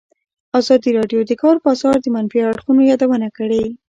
ازادي راډیو د د کار بازار د منفي اړخونو یادونه کړې.